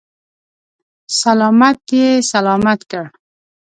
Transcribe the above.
سلامت یې سلامت کړ.